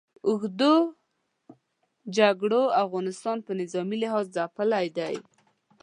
اوږدو جګړو افغانستان په نظامي لحاظ ځپلی دی.